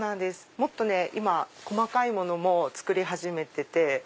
もっと今細かいものも作り始めてて。